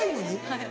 はい。